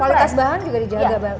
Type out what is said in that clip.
kualitas bahan juga dijaga bang